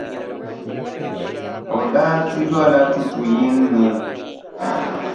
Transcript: O daa ti dola tutuʼ yini ni.